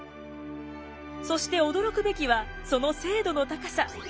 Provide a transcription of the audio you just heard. そして驚くべきはその精度の高さ。